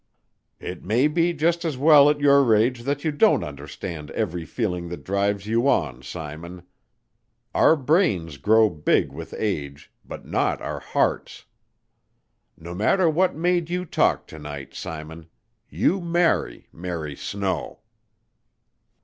"It may be just as well at your age that you don't understand every feeling that drives you on, Simon. Our brains grow big with age, but not our hearts. No matter what made you talk to night, Simon, you marry Mary Snow."